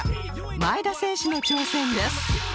前田選手の挑戦です